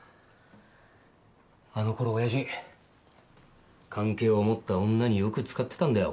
あの頃親父関係を持った女によく使ってたんだよ